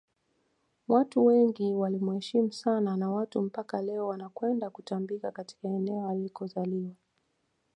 watu wengi walimuheshimu sana na watu mpaka leo wanakwenda kutambika katika eneo alikozaliwa